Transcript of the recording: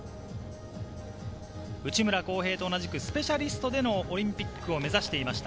内村航平と同じくスペシャリストでのオリンピックを目指していました。